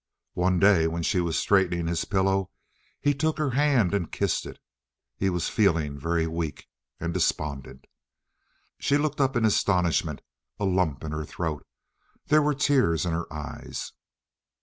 One day when she was straightening his pillow he took her hand and kissed it. He was feeling very weak—and despondent. She looked up in astonishment, a lump in her throat. There were tears in his eyes.